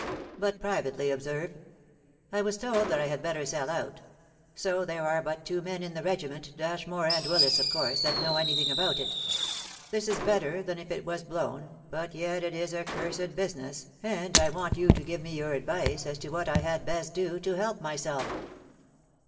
But privately, observe. I was told that I had better sell out. So there are but two men in the regiment, Dashmore and Willis, of course^ that know anything about it. This is better than if it was blown, but yet it is a cursed business, and I want you to give me your advice, as to what I had best do to help myself."